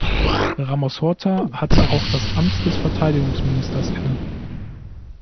Ramos-Horta hatte auch das Amt des Verteidigungsministers inne.